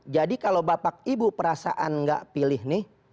jadi kalau bapak ibu perasaan tidak pilih ini